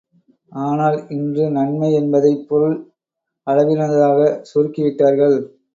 ஆனால், இன்று நன்மை என்பதைப் பொருள் அளவினதாகச் சுருக்கி விட்டார்கள்.